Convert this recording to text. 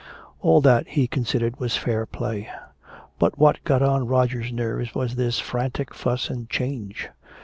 All that, he considered, was fair play. But what got on Roger's nerves was this frantic fuss and change!